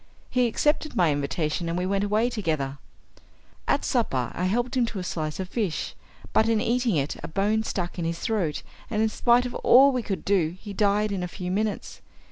He accepted my invitation, and we went away together. At supper I helped him to a slice of fish, but in eating it a bone stuck in his throat, and in spite of all we could do he died in a few minutes.